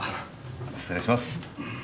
失礼します。